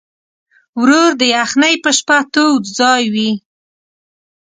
ورور د یخنۍ په شپه تود ځای وي.